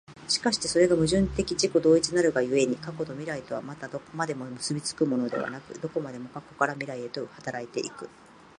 而してそれが矛盾的自己同一なるが故に、過去と未来とはまたどこまでも結び付くものでなく、どこまでも過去から未来へと動いて行く。